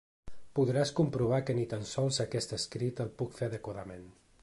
Podràs comprovar que ni tan sols aquest escrit el puc fer adequadament.